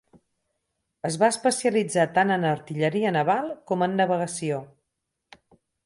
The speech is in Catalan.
Es va especialitzar tant en artilleria naval com en navegació.